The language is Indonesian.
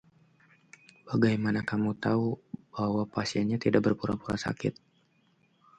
Bagaimana kau tahu kalau pasiennya tidak berpura-pura sakit?